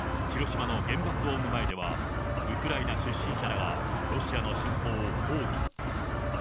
広島の原爆ドーム前では、ウクライナ出身者らがロシアの侵攻を抗議。